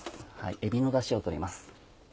えびのダシを取ります。